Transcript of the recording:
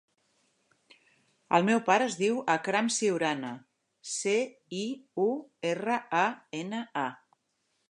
El meu pare es diu Akram Ciurana: ce, i, u, erra, a, ena, a.